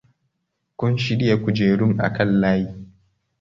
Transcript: Kun shirya kujerun akan layi.